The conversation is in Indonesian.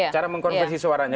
cara mengkonversi suaranya